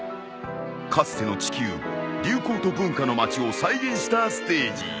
かつての地球流行と文化の街を再現したステージ。